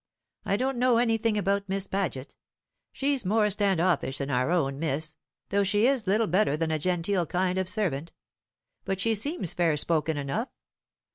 I don't know anything about Miss Paget. She's more stand offish than our own Miss, though she is little better than a genteel kind of servant; but she seems fair spoken enough.